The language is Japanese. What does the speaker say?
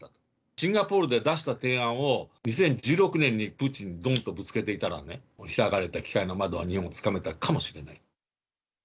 シンガポールで出した提案を、２０１６年にプーチンにどんとぶつけていたらね、開かれた機会の窓を日本はつかめたかもしれない。